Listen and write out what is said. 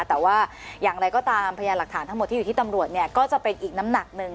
แต่ว่าอย่างไรก็ตามพยานหลักฐานทั้งหมดที่อยู่ที่ตำรวจเนี่ยก็จะเป็นอีกน้ำหนักหนึ่ง